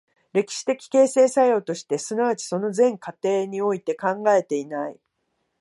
歴史的形成作用として、即ちその全過程において考えていない。